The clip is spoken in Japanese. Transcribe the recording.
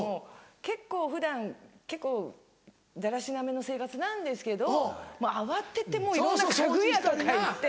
結構普段結構だらしなめの生活なんですけど慌てていろんな家具屋とか行って。